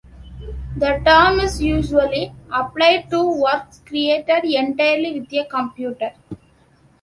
The term is usually applied to works created entirely with a computer.